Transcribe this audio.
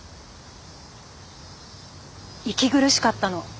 息苦しかったの。